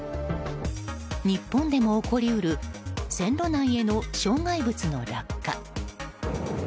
日本でも起こり得る線路内への障害物の落下。